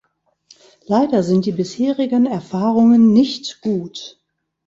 Leider sind die bisheringen Erfahrungen nicht gut.